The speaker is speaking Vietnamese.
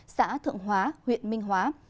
xã thượng hóa huyện minh hóa